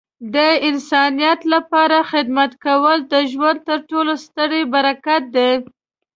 د انسانیت لپاره خدمت کول د ژوند تر ټولو ستره برکت دی.